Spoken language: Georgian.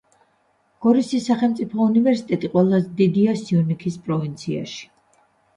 გორისის სახელმწიფო უნივერსიტეტი ყველაზე დიდია სიუნიქის პროვინციაში.